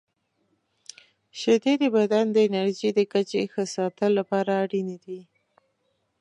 • شیدې د بدن د انرژۍ د کچې ښه ساتلو لپاره اړینې دي.